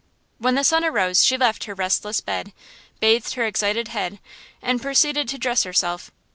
When the sun arose she left her restless bed, bathed her excited head and proceeded to dress herself.